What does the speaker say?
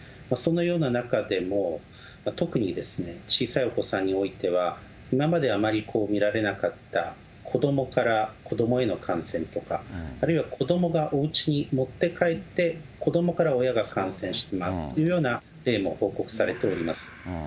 そのような中でも、特に小さいお子さんにおいては、今まであまり見られなかった、子どもから子どもへの感染とか、あるいは子どもがおうちに持って帰って、子どもから親が感染してしまうというような例も報告されております。